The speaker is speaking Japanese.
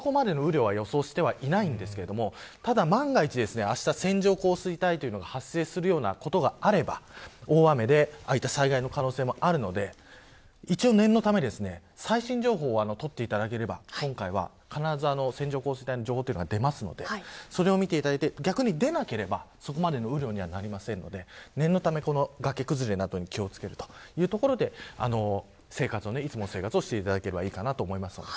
そこまでの雨量は予想をしていないんですがただ万が一、あした線状降水帯が発生するようなことがあれば大雨でああいった災害の可能性もあるので一応、念のため最新情報は見ていただければ必ず線状降水帯の情報は出るので逆に、出なければ、そこまでの雨量にはならないので念のため、崖崩れなどに気を付けるということでいつもの生活をしていただければいいかなと思います。